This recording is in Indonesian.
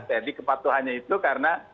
jadi kepatuhannya itu karena